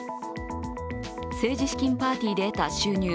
政治資金パーティーで得た収入